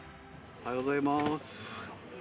おはようございます。